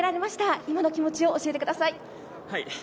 今のお気持ち教えてください。